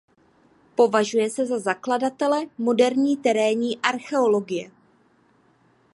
Považuje se za zakladatele moderní terénní archeologie.